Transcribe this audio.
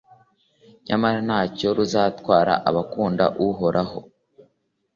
nyamara nta cyo ruzatwara abakunda uhoraho